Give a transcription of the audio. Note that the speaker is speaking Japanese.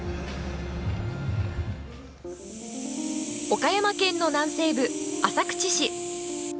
岡山県の南西部、浅口市。